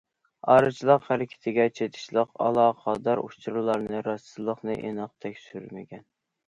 ئارىچىلىق ھەرىكىتىگە چېتىشلىق ئالاقىدار ئۇچۇرلارنىڭ راستلىقىنى ئېنىق تەكشۈرمىگەن.